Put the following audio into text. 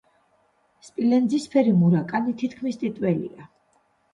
სპილენძისფერი–მურა კანი თითქმის ტიტველია.